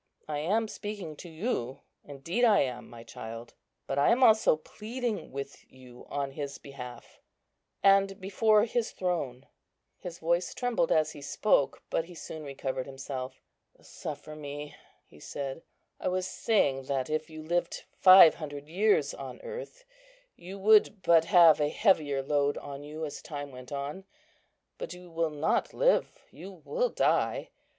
I am speaking to you, indeed I am, my child; but I am also pleading with you on His behalf, and before His throne." His voice trembled as he spoke, but he soon recovered himself. "Suffer me," he said. "I was saying that if you lived five hundred years on earth, you would but have a heavier load on you as time went on. But you will not live, you will die.